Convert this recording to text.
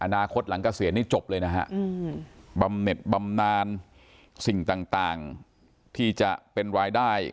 คตหลังเกษียณนี่จบเลยนะฮะบำเน็ตบำนานสิ่งต่างที่จะเป็นรายได้